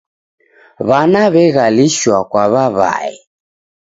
W'ana w'egalishwa kwa w'aw'ae.